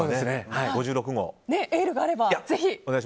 エールがあれば、ぜひ。